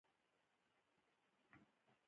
باسواده ښځې د معماری په برخه کې طرحې جوړوي.